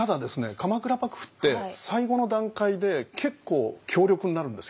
鎌倉幕府って最後の段階で結構強力になるんですよ。